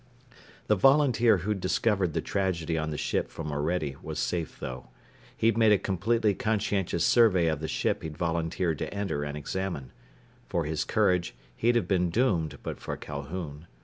The volunteer who'd discovered the tragedy on the ship from Orede was safe, though. He'd made a completely conscientious survey of the ship he'd volunteered to enter and examine. For his courage, he'd have been doomed but for Calhoun.